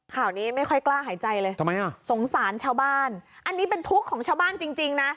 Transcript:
ข่าวนี้ไม่ค่อยกล้าหายใจเลยทำไมอ่ะสงสารชาวบ้านอันนี้เป็นทุกข์ของชาวบ้านจริงจริงนะ